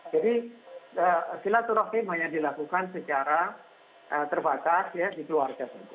jadi sholatul rahim hanya dilakukan secara terbatas di keluarga